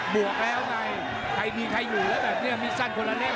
บวกแล้วไงใครมีใครอยู่ละแบบเนี่ยมีสร้างคนล่ะเล่น